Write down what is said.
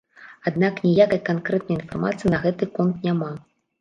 Аднак ніякай канкрэтнай інфармацыі на гэты конт няма.